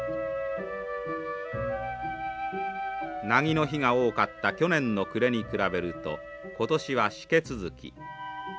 なぎの日が多かった去年の暮れに比べると今年はしけ続き。